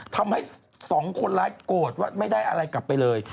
ทำให้สองคนร้ายโกรธว่าไม่ได้อะไรกลับไปเลย